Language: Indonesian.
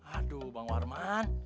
aduh bang warman